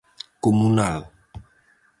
Comunal.